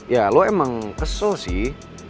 ya lo emang kesel sih